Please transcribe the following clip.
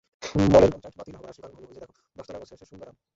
মলের কন্ট্রাক্ট বাতিল হবার আসল কারণ হলো, ঐযে দেখো দশতলায় বসে আছে সুন্দরাম!